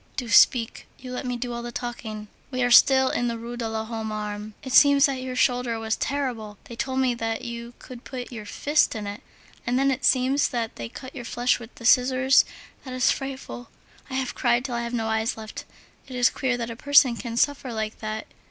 Do speak! You let me do all the talking. We are still in the Rue de l'Homme Armé. It seems that your shoulder was terrible. They told me that you could put your fist in it. And then, it seems that they cut your flesh with the scissors. That is frightful. I have cried till I have no eyes left. It is queer that a person can suffer like that.